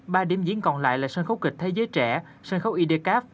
ba điểm diễn còn lại là sân khấu kịch thế giới trẻ sân khấu idcap